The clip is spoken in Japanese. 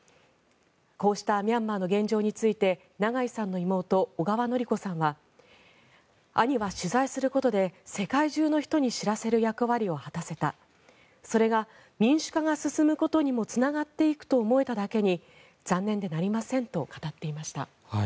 こうしたミャンマーの現状について長井さんの妹・小川典子さんは兄は取材することで世界中の人に知らせる役割を果たせたそれが民主化が進むことにもつながっていくと思えただけに残念でなりませんと語っていました。